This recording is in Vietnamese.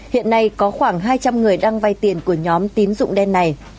hiện nay có khoảng hai trăm linh người đang vay tiền của nhóm tín dụng đen này